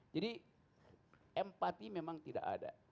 jadi empati memang tidak ada